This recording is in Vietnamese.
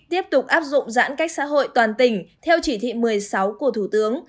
tiếp tục áp dụng giãn cách xã hội toàn tỉnh theo chỉ thị một mươi sáu của thủ tướng